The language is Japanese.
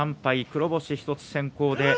黒星１つ先行。